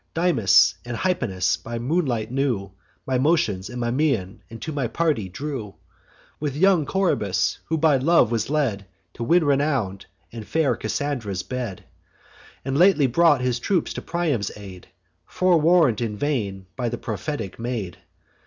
Dymas and Hypanis by moonlight knew My motions and my mien, and to my party drew; With young Coroebus, who by love was led To win renown and fair Cassandra's bed, And lately brought his troops to Priam's aid, Forewarn'd in vain by the prophetic maid.